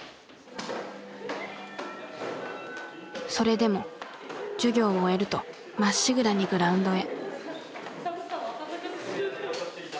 それでも授業を終えるとまっしぐらにグラウンドへ。